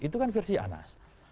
itu kan versi anas